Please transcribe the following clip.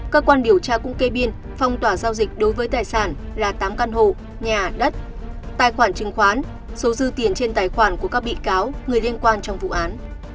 cơ quan điều tra cũng kê biên phong tỏa giao dịch đối với tài sản là tám căn hộ nhà đất tài khoản chứng khoán số dư tiền trên tài khoản của các bị cáo người liên quan trong vụ án